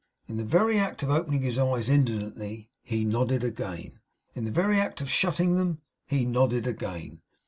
In the very act of opening his eyes indolently, he nodded again. In the very act of shutting them, he nodded again.